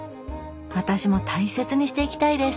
私も大切にしていきたいです。